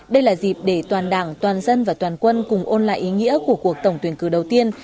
đây là dịp để toàn đảng toàn dân và toàn quân cùng ôn lại ý nghĩa của cuộc tổng tuyển cử đầu tiên